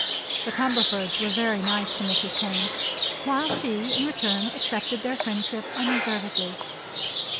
The Cumberfords were very nice to Mrs. Kane, while she, in return, accepted their friendship unreservedly.